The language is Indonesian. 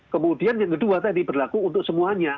kemudian yang kedua tadi berlaku untuk semuanya